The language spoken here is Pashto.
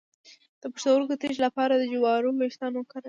د پښتورګو تیږې لپاره د جوارو ویښتان وکاروئ